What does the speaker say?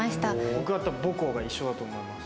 僕は多分母校が一緒だと思います。